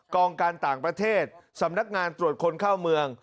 กองการต่างประเทศสำนักงานตรวจคนเข้าเมือง